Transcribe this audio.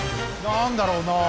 何だろうなあ。